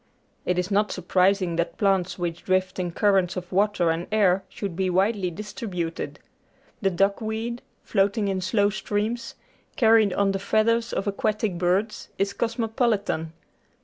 It is not surprising that plants which drift in currents of water and air should be widely distributed. The duckweed, float ing in slow streams, carried on the feathers of aquatic birds, is cosmopolitan.